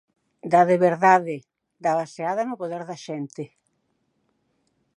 Da de verdade, da baseada no poder da xente.